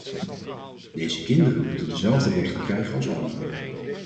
Deze kinderen moeten dezelfde rechten krijgen als andere.